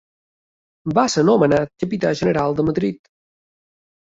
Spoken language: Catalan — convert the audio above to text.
Va ser nomenat capità general de Madrid.